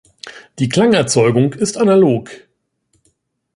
Die Klangerzeugung ist analog.